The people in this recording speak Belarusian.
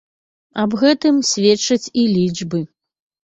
Аб гэтым сведчаць і лічбы.